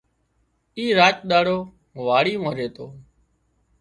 اي راچ ۮاڙو واڙي مان ريتو